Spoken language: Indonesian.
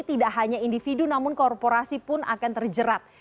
tidak hanya individu namun korporasi pun akan terjerat